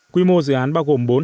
quy mô dự án bao gồm bốn hạng